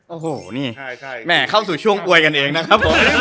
โอ้โหนี่แม่เข้าสู่ช่วงอวยกันเองนะครับผม